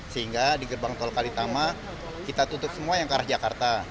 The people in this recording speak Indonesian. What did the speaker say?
sehingga di gerbang tol kalitama kita tutup semua yang ke arah jakarta